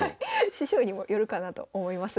師匠にもよるかなと思いますが。